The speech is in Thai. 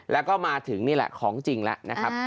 แล้วก็มาถึงนี่แหละของจริงแล้วนะครับ